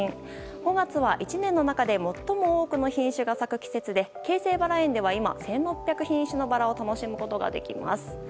５月は、１年の中で最も多くの品種が咲く季節で京成バラ園では今、１６００品種のバラを楽しむことができます。